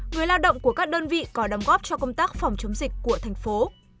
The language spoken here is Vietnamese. người lao động của các đơn vị có đóng góp cho công tác phòng chống dịch của thành phố